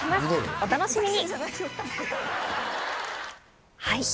お楽しみに。